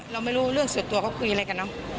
เราไม่รู้เรื่องส่วนตัวเขาคุยอะไรกันเนอะ